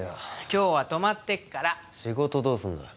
今日は泊まってくから仕事どうすんだよ